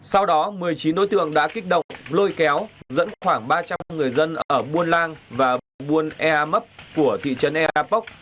sau đó một mươi chín đối tượng đã kích động lôi kéo dẫn khoảng ba trăm linh người dân ở buôn lang và buôn ea mấp của thị trấn eapok